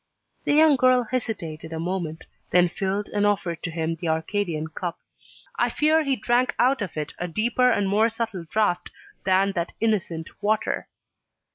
The young girl hesitated a moment; then filled and offered to him the Arcadian cup. I fear he drank out of it a deeper and more subtle draught than that innocent water.